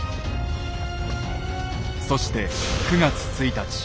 そして９月１日。